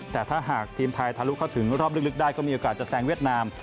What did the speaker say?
แต่ถ้าหากทีมไทยทะลุเข้าถึงรอบลึกได้ก็มีโอกาสจะแซงเวียดนาม